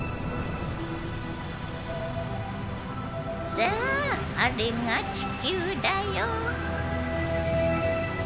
さああれが地球だよ。